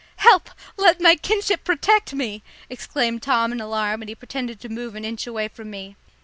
"Help! Let my kinship protect me!" exclaimed Tom in alarm, and he pretended to move an inch away from me.